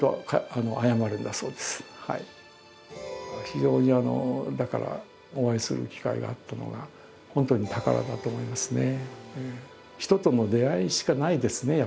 非常にあのだからお会いする機会があったのが本当に宝だと思いますね。